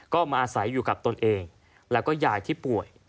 ก็มาอาศัยอยู่กับตนเองแล้วก็ยายที่ป่วย